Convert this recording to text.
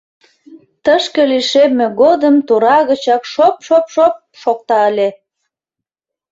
Тышке лишемме годым тора гычак шоп-шоп-шоп! шокта ыле.